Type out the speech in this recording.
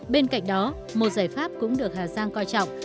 bên cạnh đó một giải pháp cũng được hà giang coi trọng